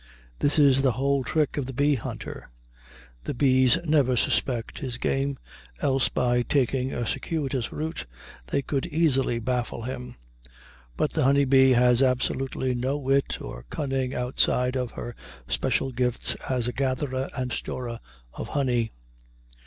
This is the whole trick of the bee hunter. The bees never suspect his game, else by taking a circuitous route they could easily baffle him. But the honey bee has absolutely no wit or cunning outside of her special gifts as a gatherer and storer of honey.